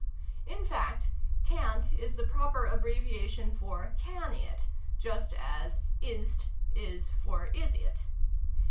In fact " can't " is \heproper abbreviation for "can it," just as "is't" is for " is it."